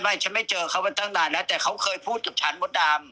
ฉันไม่เจอเขามาตั้งนานนะแต่เขาเคยพูดกับฉันมดดำ